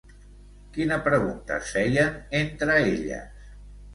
Quina pregunta es feien entre elles?